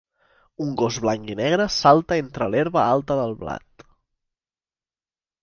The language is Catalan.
Un gos blanc i negre salta entre l'herba alta del blat.